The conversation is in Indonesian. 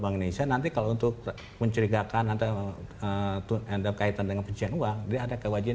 bangun isya nanti kalau untuk mencurigakan atau endang kaitan dengan pencet uang dia ada kewajiban